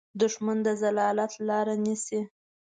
دښمن د ذلت لاره نیسي